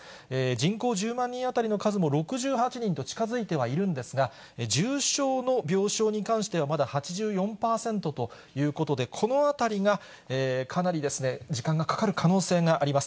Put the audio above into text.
人口１０万人当たりの数も６８人と近づいてはいるんですが、重症の病床に関しては、まだ８４％ということで、このあたりがかなり時間がかかる可能性があります。